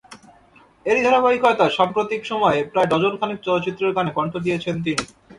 এরই ধারাবাহিকতায় সাম্প্রতিক সময়ে প্রায় ডজন খানেক চলচ্চিত্রের গানে কণ্ঠ দিয়েছেন তিনি।